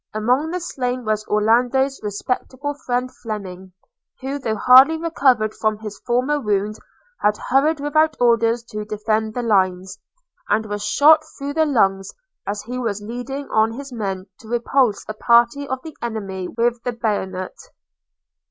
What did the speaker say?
Among the slain was Orlando's respectable friend Fleming, who, though hardly recovered of his former wound, had hurried without orders to defend the lines, and was shot through the lungs as he was leading on his men to repulse a party of the enemy with the bayonet.